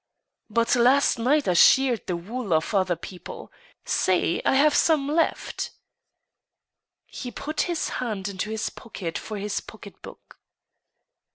But last night I sheared the wool off of other people. See I I have some left." He put his hand into his pocket for his pocket*book.